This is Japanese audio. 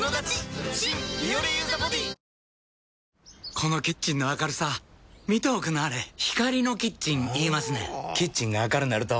このキッチンの明るさ見ておくんなはれ光のキッチン言いますねんほぉキッチンが明るなると・・・